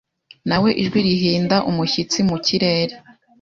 Na we Ijwi rihinda umushyitsi mu kirere